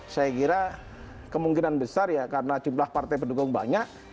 saya kira kemungkinan besar ya karena jumlah partai pendukung banyak